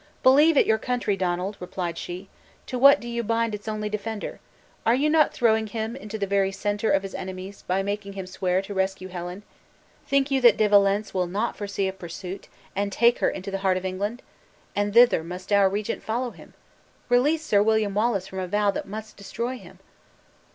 "Believe it your country, Donald!" replied she; "to what do you bind its only defender? Are you not throwing him into the very center of his enemies, by making him swear to rescue Helen? Think you that De Valence will not foresee a pursuit, and take her into the heart of England? And thither must our regent follow him! Release Sir William Wallace from a vow that must destroy him!"